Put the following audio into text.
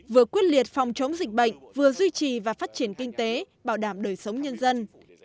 vừa quyết liệt phòng chống dịch bệnh vừa duy trì và phát triển kinh tế bảo đảm đời sống nhân dân